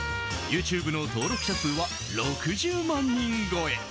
ＹｏｕＴｕｂｅの登録者数は６０万人超え。